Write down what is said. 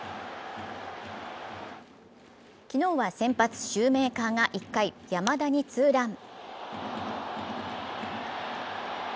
昨日は先発・シューメーカーが１回、山田にツーラン。